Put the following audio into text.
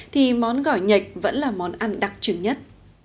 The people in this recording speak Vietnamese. thì món gỏi nhạch vẫn là món ăn đặc trưng nhất